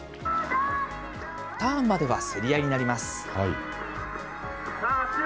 ターンまでは競り合いになります。